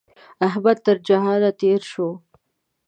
احمد تر جهان تېر شو.